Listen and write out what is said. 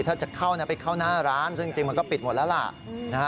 ถ้าจะเข้าไปเข้าหน้าร้านซึ่งจริงมันก็ปิดหมดแล้วล่ะ